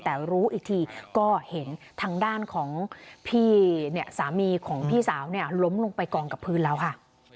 แต่รู้อีกทีก็เห็นทางด้านของพี่เนี่ยสามีของพี่สาวเนี่ยล้มลงไปกองกับพื้นแล้วค่ะ